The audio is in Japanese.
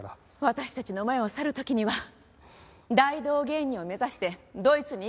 私たちの前を去る時には大道芸人を目指してドイツに行くと言ってました。